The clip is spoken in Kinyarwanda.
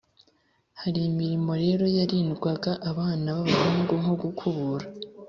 Hari imirimo rero yarindwaga abana b’abahungu nko gukubura,